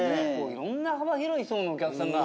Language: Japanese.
いろんな幅広い層のお客さんが。